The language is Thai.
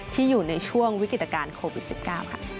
ที่อยู่ในช่วงวิกฤตการณ์โควิด๑๙ค่ะ